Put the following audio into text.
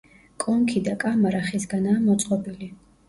კონქი და კამარა ხისგანაა მოწყობილი.